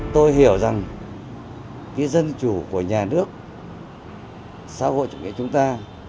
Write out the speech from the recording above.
tôi hiểu rằng cái dân chủ của nhà nước xã hội chủ nghĩa chúng ta